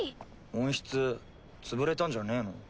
温室潰れたんじゃねぇの？